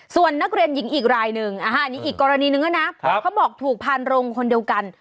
ส่วนนักเรียนหญิงอีกรายหนึ่งอันนี้อีกกรณีนึงนะเขาบอกถูกพานโรงคนเดียวกัน